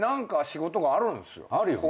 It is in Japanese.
あるよね。